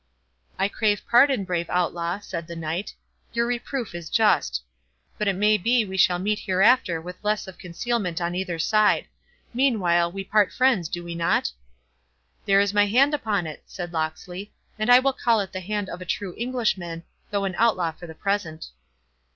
"I crave pardon, brave Outlaw," said the Knight, "your reproof is just. But it may be we shall meet hereafter with less of concealment on either side.—Meanwhile we part friends, do we not?" "There is my hand upon it," said Locksley; "and I will call it the hand of a true Englishman, though an outlaw for the present."